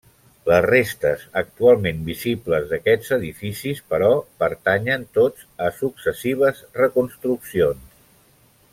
Les restes actualment visibles d'aquests edificis, però, pertanyen tots a successives reconstruccions.